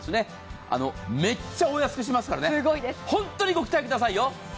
めっちゃお安くしますからね、本当にご期待くださいよ。